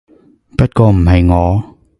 不過唔係我